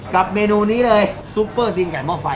เมนูนี้เลยซุปเปอร์ตีนไก่หม้อไฟ